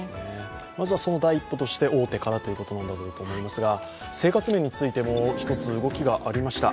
まずはその第一歩として大手からということなんだろうと思いますが、生活面についても１つ動きがありました。